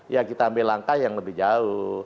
kalau tidak mau ya kita ambil langkah yang lebih jauh